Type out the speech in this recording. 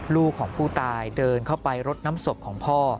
ลูกของผู้ตายเดินเข้าไปรดน้ำศพของพ่อ